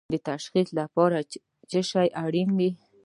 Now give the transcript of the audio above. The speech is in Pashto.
د تشخیص لپاره څه شی اړین دي؟